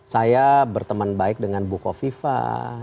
saya berteman baik dengan bu hovifah